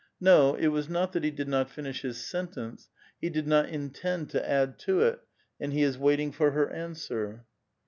No, it was not that he did not finish his sentence ; he did not intend to add to it, and he is waiting for her answer.